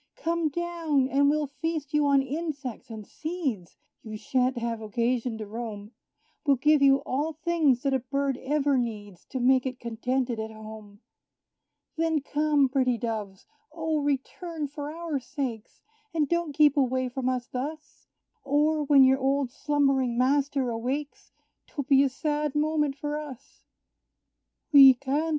Come down, and we'll feast you on insects and seeds; You sha'nt have occasion to roam We'll give you all things that a bird ever needs, To make it contented at home. Then come, pretty Doves! O, return for our sakes, And don't keep away from us thus; Or, when your old slumbering master awakes, 'Twill be a sad moment for us! "We can't!"